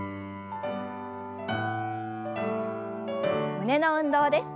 胸の運動です。